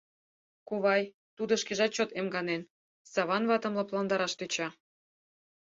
— Кувай, тудо шкежат чот эмганен, — Саван ватым лыпландараш тӧча.